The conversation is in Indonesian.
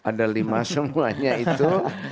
ada lima semuanya itu